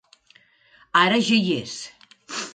Ara ja hi és.